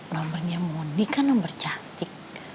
nomernya mondi kan nomer cantik